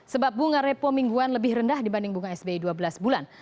sebab bunga repo mingguan lebih rendah dibanding bunga sbi dua belas bulan